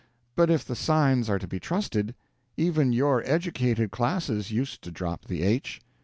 But if the signs are to be trusted, even your educated classes used to drop the 'h.'